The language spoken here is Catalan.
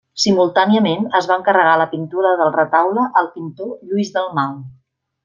Simultàniament es va encarregar la pintura del retaule al pintor Lluís Dalmau.